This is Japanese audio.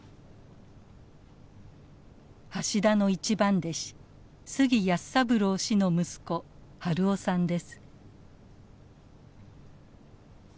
橋田の一番弟子杉靖三郎氏の息子晴夫さんです。